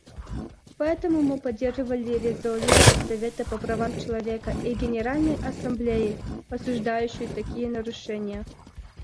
Поэтому мы поддержали резолюции Совета по правам человека и Генеральной Ассамблеи, осуждающие такие нарушения.